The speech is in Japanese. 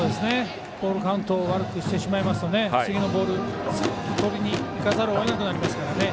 ボールカウント悪くしてしまうと次のボール、とりにいかざるをえなくなりますから。